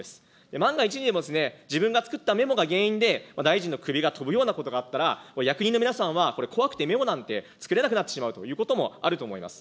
万が一にも、自分が作ったメモが原因で、大臣の首が飛ぶようなことがあったら、役人の皆さんはこれ、怖くてメモなんて作れなくなってしまうということもあると思います。